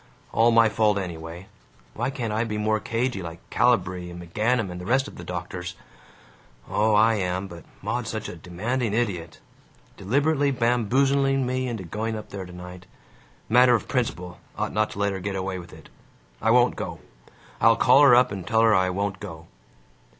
All my fault, anyway. Why can't I be more cagey, like Calibree and McGanum and the rest of the doctors? Oh, I am, but Maud's such a demanding idiot. Deliberately bamboozling me into going up there tonight. Matter of principle: ought not to let her get away with it. I won't go. I'll call her up and tell her I won't go.